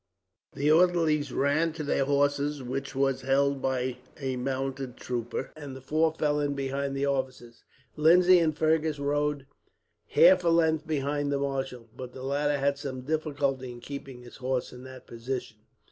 The orderlies ran to their horses, which were held by a mounted trooper, and the four fell in behind the officers. Lindsay and Fergus rode half a length behind the marshal, but the latter had some difficulty in keeping his horse in that position.